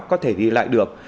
có thể đi lại được